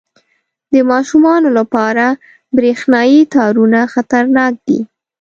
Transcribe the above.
• د ماشومانو لپاره برېښنايي تارونه خطرناک دي.